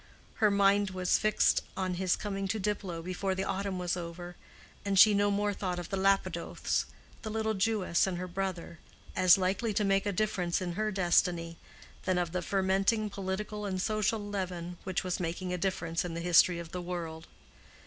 Her mind was fixed on his coming to Diplow before the autumn was over; and she no more thought of the Lapidoths—the little Jewess and her brother—as likely to make a difference in her destiny, than of the fermenting political and social leaven which was making a difference in the history of the world.